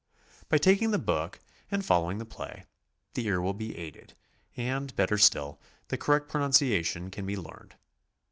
By taking the book and following the play, the ear will be aided, and, better still, the correct pronunciation can be learned.